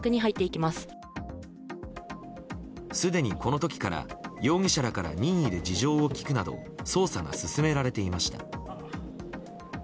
すでに、この時から容疑者らから任意で事情を聴くなど捜査が進められていました。